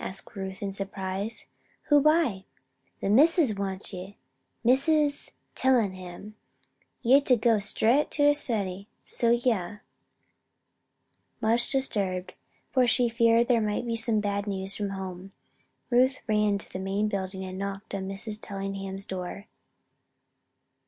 asked Ruth, in surprise. "Who by?" "The Missus wants ye Missus Tellingham. Ye're ter go straight to her study, so ye are." Much disturbed for she feared there might be bad news from home Ruth ran to the main building and knocked on Mrs. Tellingham's door.